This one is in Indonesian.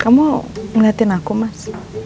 kamu ngeliatin aku mas